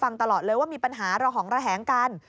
ตลอดเลยว่ามีปัญหาระหองระแหงกัน